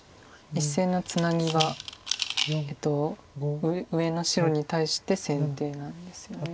１線のツナギが上の白に対して先手なんですよね。